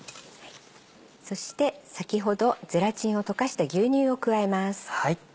そして先ほどゼラチンを溶かした牛乳を加えます。